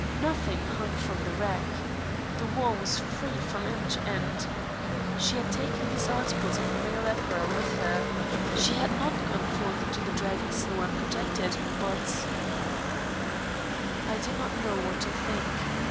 Nothing hung from the rack. The wall was free from end to end. She had taken these articles of male apparel with her; she had not gone forth into the driving snow, unprotected, but I did not know what to think.